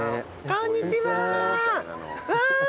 こんにちは。